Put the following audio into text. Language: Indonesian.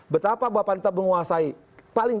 betapa bahwa panitera menguasai